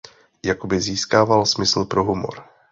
Jakoby získával smysl pro humor.